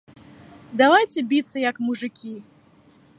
Давайце біцца як мужыкі!?